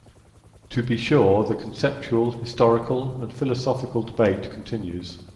To be sure, the conceptual, historical, and philosophical debate continues.